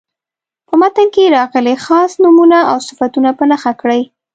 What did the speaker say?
په متن کې راغلي خاص نومونه او صفتونه په نښه کړئ.